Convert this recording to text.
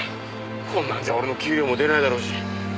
こんなんじゃ俺の給料も出ないだろうし。